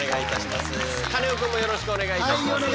よろしくお願いします。